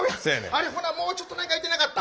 あれほなもうちょっと何か言ってなかった？